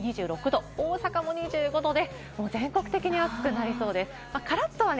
東京、名古屋も２６度、大阪も２５度で、全国的に暑くなりそうです。